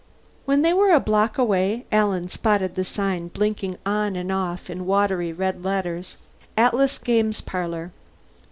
When they were a block away Alan spotted the sign, blinking on and off in watery red letters: ATLAS GAMES PARLOR.